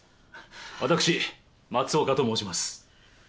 私松岡と申します。